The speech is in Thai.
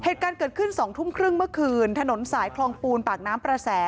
เหตุการณ์เกิดขึ้น๒ทุ่มครึ่งเมื่อคืนถนนสายคลองปูนปากน้ำประแส